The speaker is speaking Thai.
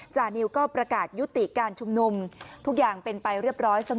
จานิวก็ประกาศยุติการชุมนุมทุกอย่างเป็นไปเรียบร้อยเสมอ